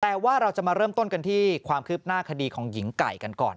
แต่ว่าเราจะมาเริ่มต้นกันที่ความคืบหน้าคดีของหญิงไก่กันก่อน